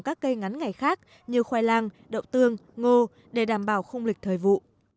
các cây ngắn ngày khác như khoai lang đậu tương ngô để đảm bảo khung lịch thời vụ